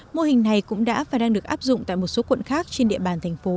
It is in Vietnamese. mô hình này cũng đã và đang được áp dụng tại một số quận khác trên địa bàn thành phố